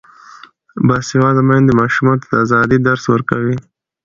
باسواده میندې ماشومانو ته د ازادۍ درس ورکوي.